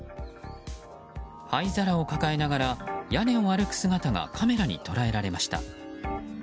灰皿を抱えながら屋根を歩く姿がカメラに捉えられました。